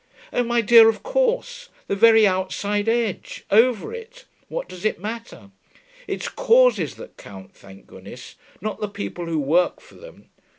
'Oh, my dear, of course. The very outside edge: over it. What does it matter? It's causes that count, thank goodness, not the people who work for them.